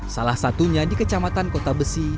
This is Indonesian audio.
salah satunya di kecamatan kota besi